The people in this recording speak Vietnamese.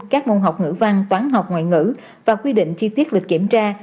các môn học ngữ văn toán học ngoại ngữ và quy định chi tiết lịch kiểm tra